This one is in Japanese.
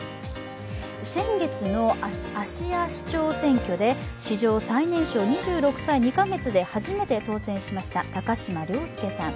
先月の芦屋市長選挙で史上最年少、２６歳２か月で初めて当選しました高島崚輔さん。